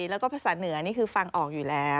แล้วก็ภาษาเหนือฟังออกอยู่แล้ว